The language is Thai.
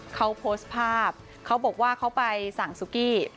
เขาโพสต์ภาพเขาบอกว่าเขาไปสั่งสุกี้